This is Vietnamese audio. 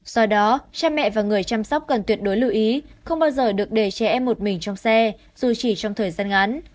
do đó cha mẹ và người chăm sóc cần tuyệt đối lưu ý không bao giờ được để trẻ em một mình trong xe dù chỉ trong thời gian ngắn